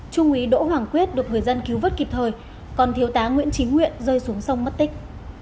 chú ý đỗ hoàng quyết được người dân cứu vứt kịp thời còn thiếu tá nguyễn chí nguyện rơi xuống sông mất tích